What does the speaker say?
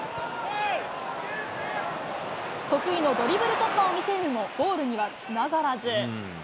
得意のドリブル突破を見せるも、ゴールにはつながらず。